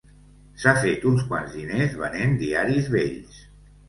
S'ha fet uns quants diners venent diaris vells.